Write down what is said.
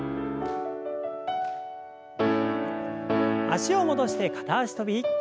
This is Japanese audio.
脚を戻して片脚跳び。